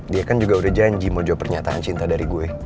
dia kan juga udah janji mau jawab pernyataan cinta dari gue